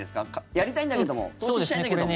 やりたいんだけども投資したいんだけども。